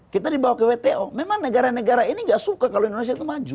kita dibawa ke wto memang negara negara ini gak suka kalau indonesia itu maju